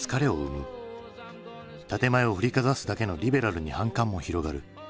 建て前を振りかざすだけのリベラルに反感も広がる。